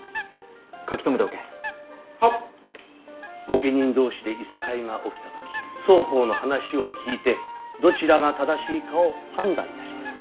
御家人同士でいさかいが起きた時双方の話を聞いてどちらが正しいかを判断いたします。